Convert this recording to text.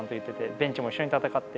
ベンチも一緒に戦って。